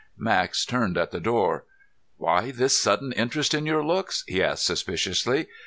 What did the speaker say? Max turned at the door. "Why this sudden interest in your looks?" he asked suspiciously.